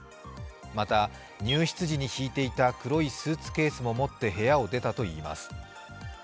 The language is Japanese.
また、入室時に引いていた黒いスーツケースも持って部屋を出たといいます。